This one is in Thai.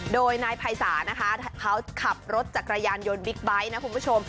โดยนายภัยศาลนะคะเขาขับรถจักรยานยนต์บิ๊กไบท์นะคุณผู้ชม